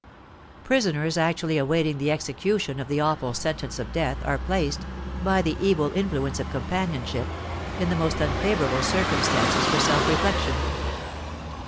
Prisoners actually awaiting the execution of the awful sentence of death are placed, by the evil influence of companionship, in the most unfavourable circumstances for self reflection.